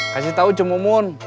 kasih tau cep mumun